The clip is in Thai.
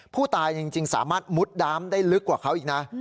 ผู้ตายจริงสามารถมุดน้ำได้ลึกกว่าเขาอีกนะ